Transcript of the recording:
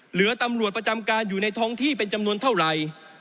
เหลือตำรวจประจำการอยู่ในท้องที่เป็นจำนวนเท่าไหร่